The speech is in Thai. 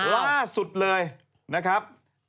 ล่าสุดเลยนะครับ